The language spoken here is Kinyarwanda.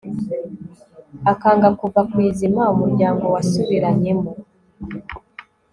akanga kuva ku izima umuryango wasubiranyemo